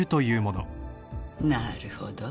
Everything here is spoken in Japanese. なるほど。